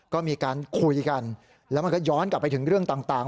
ก็มีการคุยกันแล้วมันก็ย้อนกลับไปถึงเรื่องต่าง